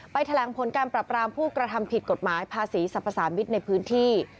ไปแถลงผลประปราวมผู้กระทำผิดกฎหมายภาษีสัพพระสามิทในพื้นที่